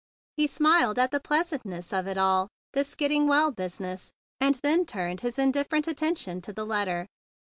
He smiled at the pleasantness of it all, this getting well business, and then turned his indifferent attention to the letter.